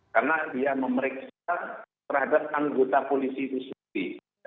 karena dia memeriksa terhadap anggota polisi itu sendiri